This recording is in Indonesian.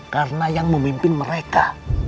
karena yang memimpin mereka